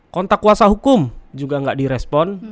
kontak kuasa hukum juga nggak direspon